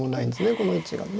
この位置がね。